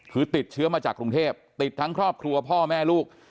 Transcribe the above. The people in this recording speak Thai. คือติดเชื้อมาจากกรุงเทพติดทั้งครอบครัวพ่อแม่ลูก